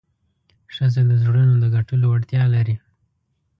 ښځه د زړونو د ګټلو وړتیا لري.